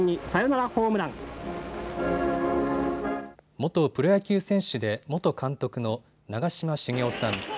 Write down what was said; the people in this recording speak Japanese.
元プロ野球選手で元監督の長嶋茂雄さん。